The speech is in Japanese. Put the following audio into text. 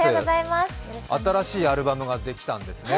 新しいアルバムができたんですね。